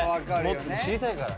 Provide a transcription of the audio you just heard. もっと知りたいから。